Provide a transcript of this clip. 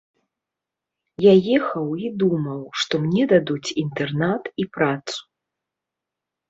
Я ехаў і думаў, што мне дадуць інтэрнат і працу.